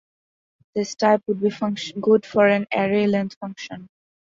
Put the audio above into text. this type would be good for an array length function